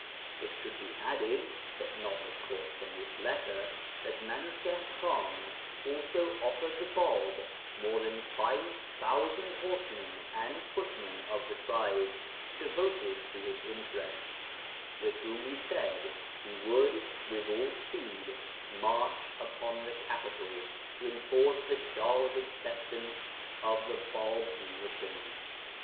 It should be added (but not, of course, from this letter) that Minuchihr Khan also offered the Bāb more than 5000 horsemen and footmen of the tribes devoted to his interests, with whom he said that he would with all speed march upon the capital, to enforce the Shah's acceptance of the Bāb's mission.